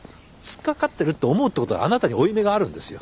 突っ掛かってるって思うってことはあなたに負い目があるんですよ。